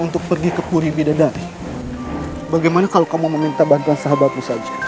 untuk pergi ke puri bidadari bagaimana kalau kamu meminta bantuan sahabatmu saja